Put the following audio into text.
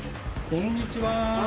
こんにちは。